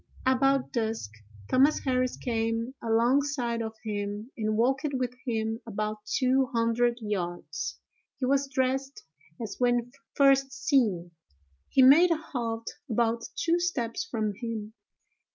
About dusk Thomas Harris came alongside of him, and walked with him about two hundred yards. He was dressed as when first seen. He made a halt about two steps from him.